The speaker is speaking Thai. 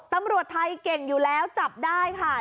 ตำรวจไทยเก่งอยู่แล้วจับได้ค่ะ